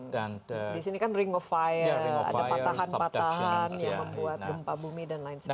di sini kan ring of fire ada patahan patahan yang membuat gempa bumi dan lain sebagainya